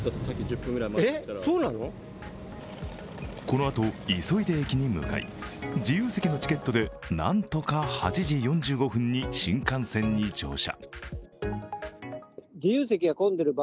このあと急いで駅に向かい、自由席のチケットでなんとか８時４５分に新幹線に乗車。